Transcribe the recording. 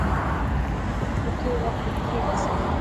ڏکيو وقت نڪري جاسي.